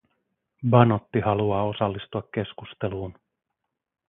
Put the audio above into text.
Banotti haluaa osallistua keskusteluun.